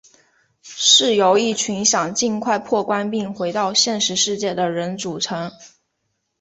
是由一群想尽快破关并回到现实世界的人组成。